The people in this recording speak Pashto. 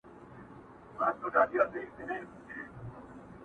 په زېور د علم و پوهي یې سینګار کړﺉ،